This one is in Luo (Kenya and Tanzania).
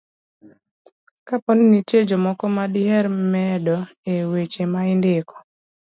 kapo ni nitie jomoko ma diher medo e weche ma indiko.